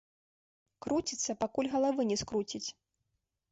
Круціцца, пакуль галавы не скруціць.